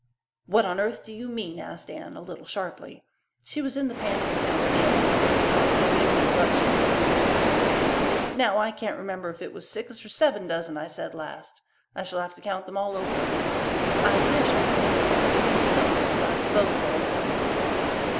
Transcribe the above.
"What on earth do you mean?" asked Anne, a little sharply. She was in the pantry counting eggs, and Octavia's interruption made her lose her count. "Now I can't remember whether it was six or seven dozen I said last. I shall have to count them all over again. I wish, Octavia, that you could think of something besides beaus all the time."